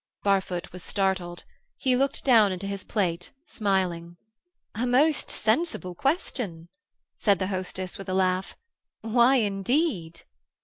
Barfoot was startled. He looked down into his plate, smiling. "A most sensible question," said the hostess, with a laugh. "Why, indeed?"